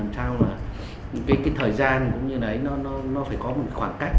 sao là cái thời gian cũng như đấy nó phải có một khoảng cách